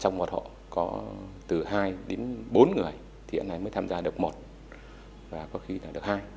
trong một hộ có từ hai đến bốn người thì hiện nay mới tham gia được một và có khi là được hai